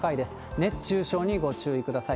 熱中症にご注意ください。